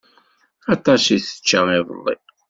Aṭas i tečča iḍelli.